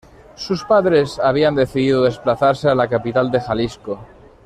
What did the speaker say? Sus padres habían decidido desplazarse a la capital de Jalisco.